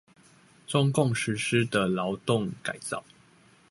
中共實施的勞動改造